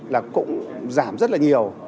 là cũng giảm rất là nhiều